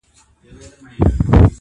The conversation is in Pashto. • په زحمت به یې ایستله نفسونه-